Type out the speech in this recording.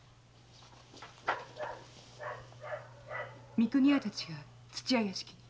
三国屋たちが土屋の屋敷に。